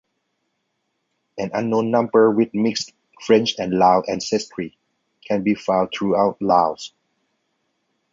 An unknown number with mixed French and Lao ancestry can be found throughout Laos.